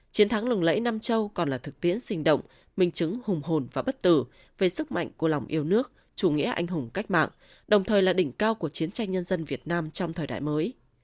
chiến thắng lừng lẫy nam châu còn là thực tiễn sinh động minh chứng hùng hồn và bất tử về sức mạnh của lòng yêu nước chủ nghĩa anh hùng cách mạng đồng thời là đỉnh cao của chiến tranh nhân dân việt nam trong thời đại mới